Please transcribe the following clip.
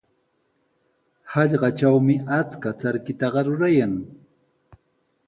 Hallqatrawmi achka charkitaqa rurayan.